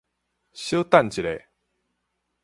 小等一下